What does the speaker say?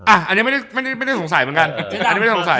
อ่ะอันนี้ไม่ได้สงสัยเหมือนกัน